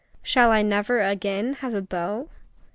Shall I never again have a beau?